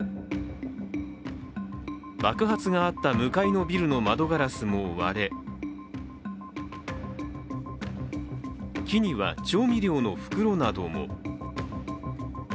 爆発があった向かいのビルの窓ガラスも割れ木には調味料の袋なども。